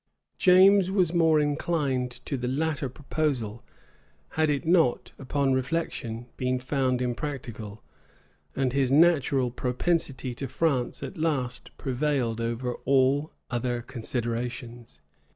James was more inclined to the latter proposal, had it not, upon reflection, been found impracticable; and his natural propensity to France at last prevailed over all other considerations.